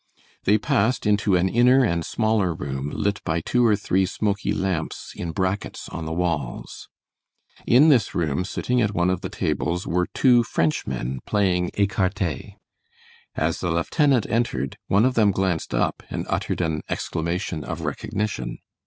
They passed into an inner and smaller room, lit by two or three smoky lamps in brackets on the walls. In this room, sitting at one of the tables, were two Frenchmen playing ecarte. As the lieutenant entered, one of them glanced up and uttered an exclamation of recognition.